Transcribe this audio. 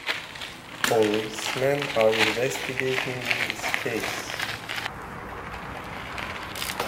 Policemen are investigating in this case.